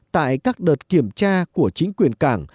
tại các đợt kiểm tra của chính quyền cảng